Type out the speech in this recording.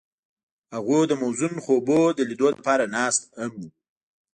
هغوی د موزون خوبونو د لیدلو لپاره ناست هم وو.